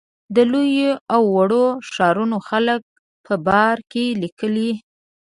د لویو او وړو ښارونو خلکو په باره کې لیکي.